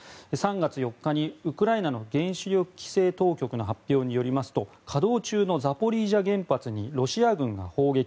３月４日にウクライナの原子力規制当局の発表によりますと稼働中のザポリージャ原発にロシア軍が砲撃。